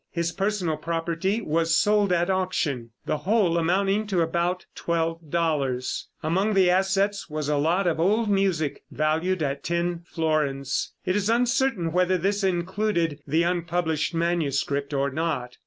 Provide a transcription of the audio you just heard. His personal property was sold at auction, the whole amounting to about $12. Among the assets was a lot of old music valued at ten florins. It is uncertain whether this included the unpublished manuscript or not.